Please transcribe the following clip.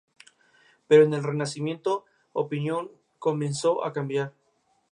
Otros autores le atribuyen solo siete metros de altura.